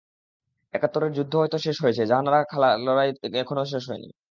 একাত্তরের যুদ্ধ হয়তো শেষ হয়েছে, জাহানারা খালার লড়াই কিন্তু এখনো শেষ হয়নি।